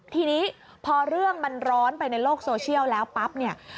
ทีนี้พอเรื่องมันร้อนไปในโลกโซเชียลแล้วปั๊บเนี่ย